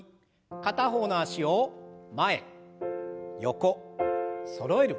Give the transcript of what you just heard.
片方の脚を前横そろえる。